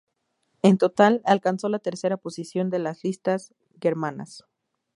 En total alcanzó la tercera posición de las listas germanas.